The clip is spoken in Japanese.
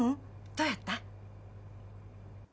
どうやった？